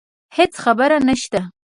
هیڅ خبره نشته